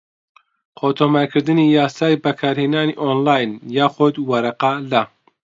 خۆتۆمارکردنی یاسای بەکارهێنانی ئۆنلاین یاخود وەرەقە لە